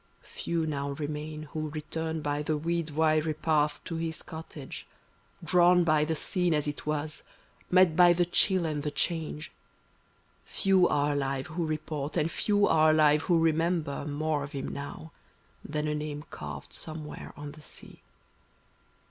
[621 ^ Few now remain who return by the weed weary path to his cottage, Drawn by the scene as it was — met by the chill and the change; Few are alive who report, and few are alive who re member, More of him now than a name carved somewhere on the sea.